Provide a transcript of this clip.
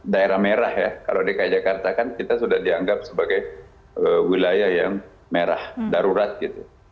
daerah merah ya kalau dki jakarta kan kita sudah dianggap sebagai wilayah yang merah darurat gitu